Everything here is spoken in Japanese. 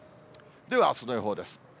では、あすの予報です。